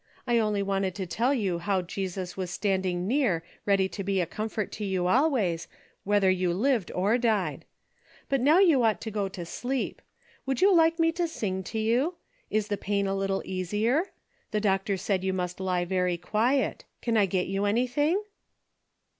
I only wanted to tell you how Jesus was standing near ready to be a comfort to you always, whether you lived or died. But now you ought to go to sleep. Would you like me to sing to you? Is the pain a little easier ? The doctor said you must lie very quiet. Can I get you anything